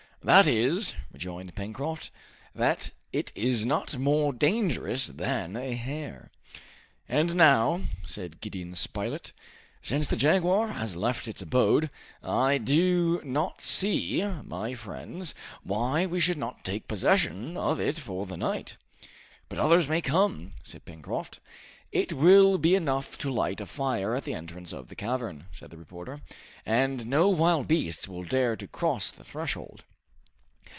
"That is," rejoined Pencroft, "that it is not more dangerous than a hare!" "And now," said Gideon Spilett, "since the jaguar has left its abode, I do not see, my friends, why we should not take possession of it for the night." "But others may come," said Pencroft. "It will be enough to light a fire at the entrance of the cavern," said the reporter, "and no wild beasts will dare to cross the threshold."